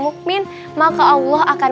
mukmin maka allah akan